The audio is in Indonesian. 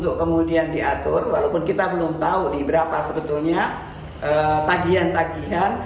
untuk kemudian diatur walaupun kita belum tahu di berapa sebetulnya tagihan tagihan